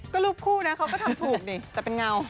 ก็รูปคู่นะเขาก็ทำถูกดิแต่เป็นเงา